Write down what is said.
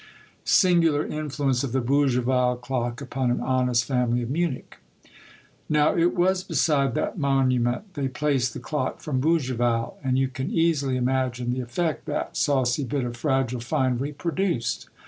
SINGULAR INFLUENCE OF THE BOUGIVAL CLOCK UPON AN HONEST FAMILY OF MUNICH. Now it was beside that monument they placed the clock from Bougival, and you can easily imagine the effect that saucy bit of fragile finery produced